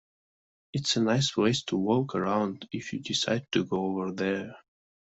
It's a nice place to walk around if you decide to go over there.